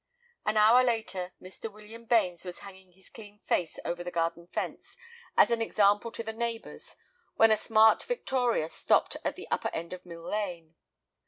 An hour later Mr. William Bains was hanging his clean face over the garden fence as an example to the neighbors, when a smart victoria stopped at the upper end of Mill Lane.